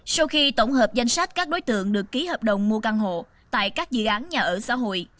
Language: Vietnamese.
sau khi tổng hợp danh sách các đối tượng được ký hợp đồng mua căn hộ tại các dự án nhà ở xã hội